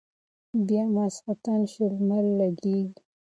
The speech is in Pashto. بيا ماخستن شو لمر لګېږي